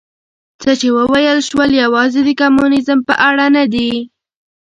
څه چې وویل شول یوازې د کمونیزم په اړه نه دي.